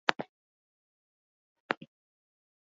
Sei hari ditu, denak bikoitzak, garaiena izan ezik.